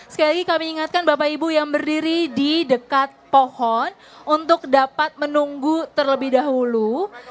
sekali lagi kami ingatkan bapak ibu yang berdiri di dekat pohon untuk dapat menunggu terlebih dahulu